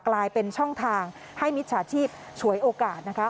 กลายเป็นช่องทางให้มิจฉาชีพฉวยโอกาสนะคะ